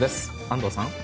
安藤さん。